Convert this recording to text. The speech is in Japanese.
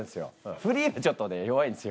フリーがちょっとね弱いんですよ。